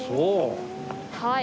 はい。